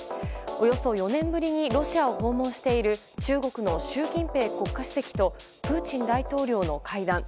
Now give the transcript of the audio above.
およそ４年ぶりにロシアを訪問している中国の習近平国家主席とプーチン大統領の会談。